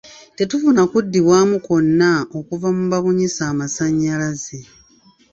Tetufuna kuddibwamu kwonna okuva nu babunyisa amasannyalaze.